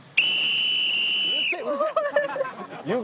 うるせえうるせえ！